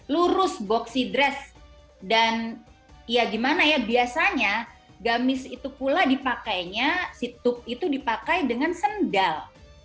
lurus boxy dress dan ya gimana ya biasanya gamis itu pula dipakainya si tub itu dipakai dengan sendal